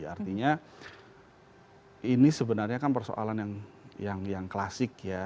artinya ini sebenarnya kan persoalan yang klasik ya